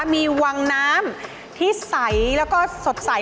มีวังน้ำที่ใสแล้วก็สดใส